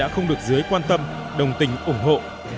không được dưới quan tâm đồng tình ủng hộ